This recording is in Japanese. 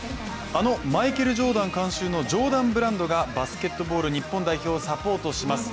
あのマイケル・ジョーダン監修のジョーダンブランドがバスケットボール日本代表をサポートします。